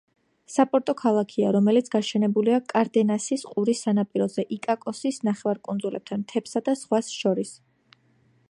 საპორტო ქალაქია, რომელიც გაშენებულია კარდენასის ყურის სანაპიროზე, იკაკოსის ნახევარკუნძულთან, მთებსა და ზღვას შორის.